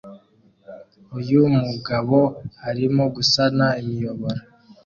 Uyu mugabo arimo gusana imiyoboro